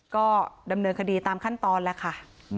ก็ดำเนินคดีตามขั้นตอนแล้วค่ะ